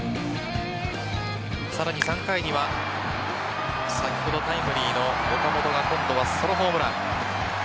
さらに３回には先ほどタイムリーの岡本が今度はソロホームラン。